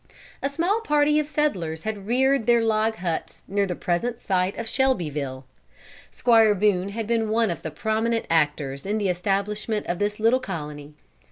A small party of settlers had reared their log huts near the present site of Shelbyville. Squire Boone had been one of the prominent actors in the establishment of this little colony.